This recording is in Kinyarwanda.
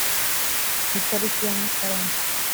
ku itariki ya Mutarama